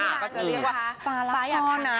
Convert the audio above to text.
ก็จะเรียกว่าฟ้ารักพ่อนะ